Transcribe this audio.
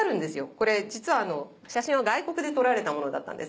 これ実は写真は外国で撮られたものだったんですね。